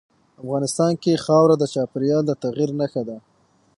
افغانستان کې خاوره د چاپېریال د تغیر نښه ده.